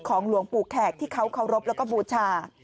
หลวงปู่แขกที่เขาเคารพแล้วก็บูชา